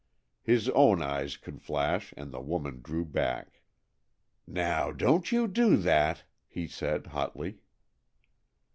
His own eyes could flash, and the woman drew back. "Now, don't you do that!" he said hotly.